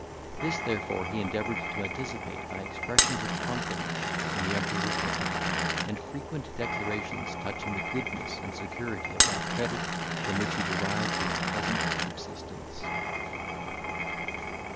This, therefore, he endeavoured to anticipate by expressions of confidence in the Emperor's equity, and frequent declarations touching the goodness and security of that credit from which he derived his present subsistence.